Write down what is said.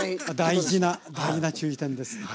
大事な大事な注意点です。